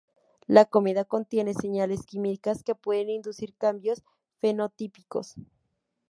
La comida contiene señales químicas que pueden inducir cambios fenotípicos.